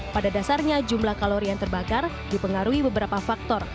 pada dasarnya jumlah kalori yang terbakar dipengaruhi beberapa faktor